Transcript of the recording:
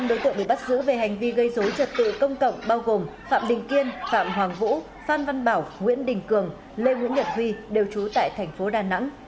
năm đối tượng bị bắt giữ về hành vi gây dối trật tự công cộng bao gồm phạm đình kiên phạm hoàng vũ phan văn bảo nguyễn đình cường lê nguyễn nhật huy đều trú tại thành phố đà nẵng